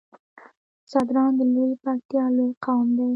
ځدراڼ د لويې پکتيا لوی قوم دی